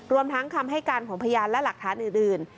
รวมทั้งคำให้การของพยานและหลักฐานอื่น